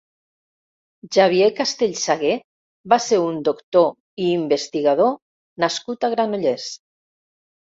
Xavier Castellsagué va ser un doctor i investigador nascut a Granollers.